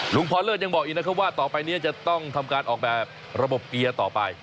พรเลิศยังบอกอีกนะครับว่าต่อไปนี้จะต้องทำการออกแบบระบบเกียร์ต่อไป